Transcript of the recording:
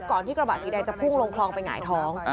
ที่กระบะสีแดงจะพุ่งลงคลองไปหงายท้อง